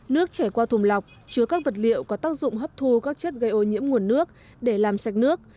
nước chảy qua thùng lọc chứa các vật liệu có tác dụng hấp thu các chất gây ô nhiễm nguồn nước để làm sạch nước